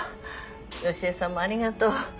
良恵さんもありがとう。